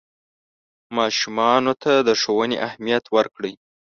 ماشومانو ته د ښوونې اهمیت ورکړئ.